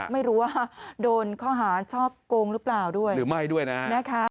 ไม่รู้ว่าโดนข้อหาช่อโกงหรือเปล่าด้วยหรือไม่ด้วยนะ